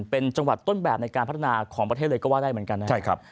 เป็นจังหวัดต้นแบบในการพัฒนาของประเทศเลยก็ว่าได้เหมือนกันนะครับ